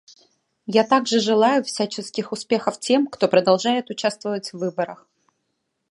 Я также желаю всяческих успехов тем, кто продолжает участвовать в выборах.